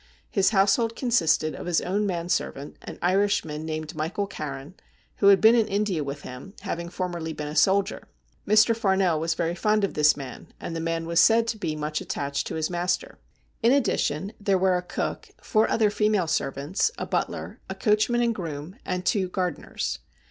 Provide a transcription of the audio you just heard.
His household consisted of his own man servant, an Irishman named Michael Carron, who had been in India with him, having formerly been a soldier. Mr. Farnell was very fond of this man, and the man was said to be much attached to his master. In addition there were a cook, four other female servants, a butler, a coachman and groom, and two gardeners.